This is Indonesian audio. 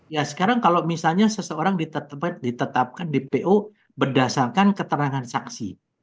ya sekarang kalau misalnya seseorang ditetapkan dpo berdasarkan keterangan saksi